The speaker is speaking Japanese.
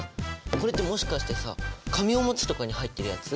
これってもしかしてさ紙オムツとかに入ってるやつ？